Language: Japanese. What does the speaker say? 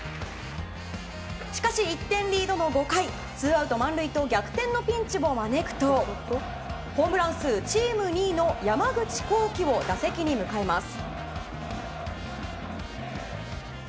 しかし１点リードの５回ツーアウト満塁と逆転のピンチを招くとホームラン数チーム２位の山口航輝を打席に向かえます。